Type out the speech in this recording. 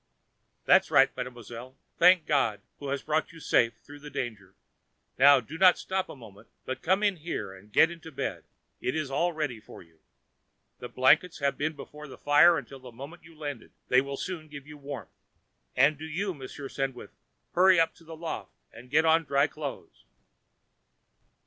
"That is right, Mademoiselle. Thank God who has brought you safe through the danger. Now, do not stop a moment, but come in here and get into bed, it is all ready for you. The blankets have been before the fire until the moment you landed; they will soon give you warmth. And do you, Monsieur Sandwith, hurry up to the loft and get on dry clothes."